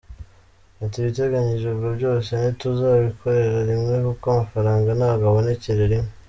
Ati “Ibiteganyijwe byose ntituzabikorera rimwe kuko amafaranga ntabwo abonekera rimwe.